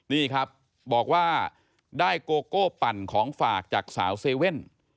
นี่ครับบอกว่าได้โกโก้ปั่นของฝากจากสาวเซเว่น